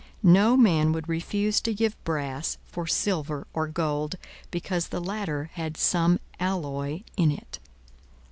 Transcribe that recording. No man would refuse to give brass for silver or gold, because the latter had some alloy in it.